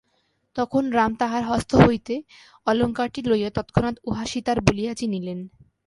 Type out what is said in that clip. তখন রাম তাঁহার হস্ত হইতে অলঙ্কারটি লইয়া তৎক্ষণাৎ উহা সীতার বলিয়া চিনিলেন।